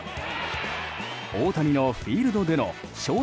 大谷のフィールドでのショ−